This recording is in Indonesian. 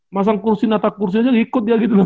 masang kursi natak kursi aja ikut dia gitu loh